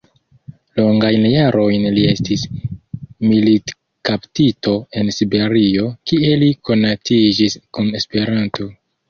Longajn jarojn li estis militkaptito en Siberio, kie li konatiĝis kun Esperanto.